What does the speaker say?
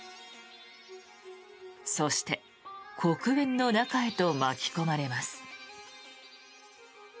そして黒煙の中へと巻き込まれます。